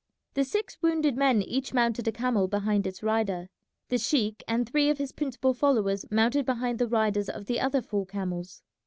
The six wounded men each mounted a camel behind its rider. The sheik and three of his principal followers mounted behind the riders of the other four camels.